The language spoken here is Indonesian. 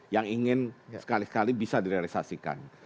yang ingin sekali sekali bisa direalisasikan